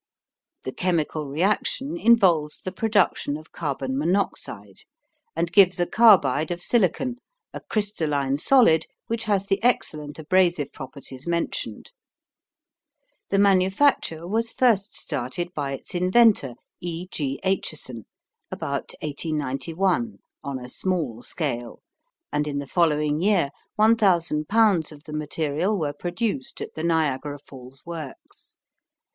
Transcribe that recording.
The chemical reaction involves the production of carbon monoxide, and gives a carbide of silicon, a crystalline solid which has the excellent abrasive properties mentioned. The manufacture was first started by its inventor, E. G. Acheson, about 1891 on a small scale, and in the following year 1,000 pounds of the material were produced at the Niagara Falls works.